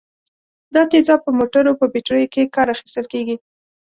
دا تیزاب په موټرو په بټریو کې کار اخیستل کیږي.